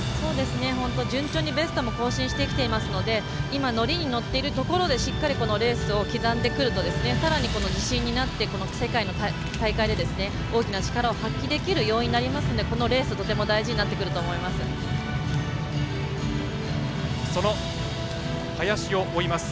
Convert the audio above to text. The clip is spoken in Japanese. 本当に順調にベストも更新していますので今、ノリにのっているところでしっかり、レースを刻んでくるとさらに自信になって世界の大会で大きな力を発揮できる要因になってきますのでこのレースとても大事になってくると思います。